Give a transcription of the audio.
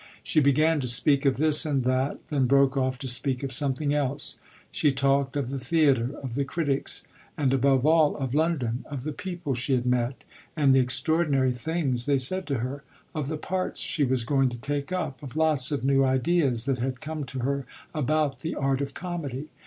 She began to speak of this and that, then broke off to speak of something else; she talked of the theatre, of the "critics," and above all of London, of the people she had met and the extraordinary things they said to her, of the parts she was going to take up, of lots of new ideas that had come to her about the art of comedy.